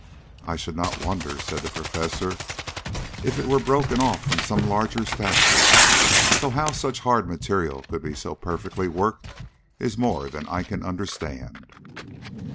"I should not wonder," said the Professor, "if it were broken off from some larger statue, though how such hard material could be so perfectly worked is more than I can understand.